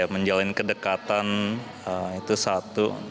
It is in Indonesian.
menjalani kedekatan itu satu